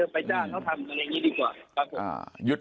ไปจ้างเขาทำอะไรอย่างนี้ดีกว่าครับผม